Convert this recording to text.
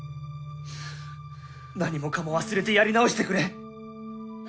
何もかも忘れてやり直してくれ。